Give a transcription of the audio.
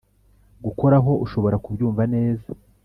gukoraho ushobora kubyumva neza